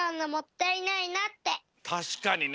たしかにね。